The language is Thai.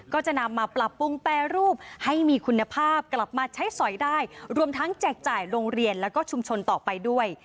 ก็จะนำมาปรับปรุงแปรรูปให้มีคุณภาพกลับมาใช้สอยได้รวมทั้งแจกจ่ายโรงเรียนแล้วก็ชุมชนต่อไปด้วย